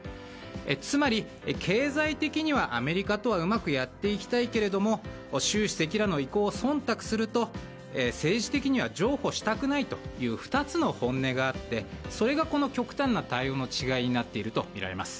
つまり、経済的にはアメリカとはうまくやっていきたいけれど習主席らの意向を忖度すると政治的には譲歩したくないという２つの本音があってそれがこの極端な対応の違いになっているとみられます。